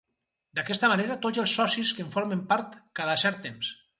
D'aquesta manera tots els socis en formen part cada cert temps.